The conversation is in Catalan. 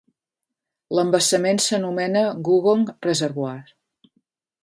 L'embassament s'anomena Googong Reservoir.